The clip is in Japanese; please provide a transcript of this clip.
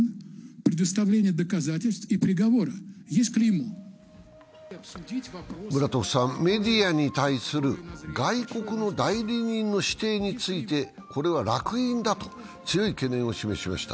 ムラトフさん、メディアに対する外国の代理人の指定についてこれはらく印だと強い懸念を示しました。